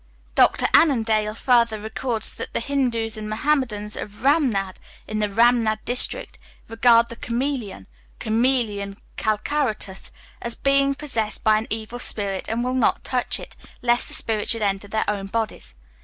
Dr Annandale further records that the Hindus and Muhammadans of Ramnad in the Ramnad district regard the chamæleon (Chamæleon calcaratus) as being possessed by an evil spirit, and will not touch it, lest the spirit should enter their own bodies.